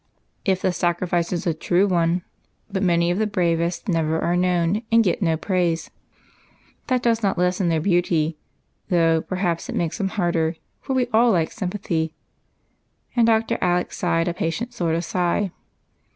"If the sacrifice is a true one. But many of the bravest never are known, and get no praise. That does not lessen their beauty, though perhaps it makes them harder, for we all like sympathy," and Dr. Alec sighed a patient sort of sigh.